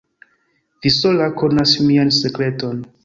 Vi sola konas mian sekreton.